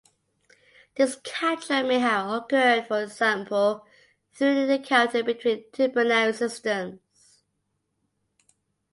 This capture may have occurred, for example, through an encounter between two binary systems.